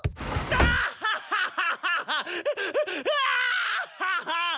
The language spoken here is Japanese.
アハハハ！